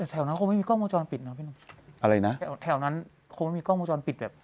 แถวนั้นคงไม่มีกล้องมีพิธีแบบ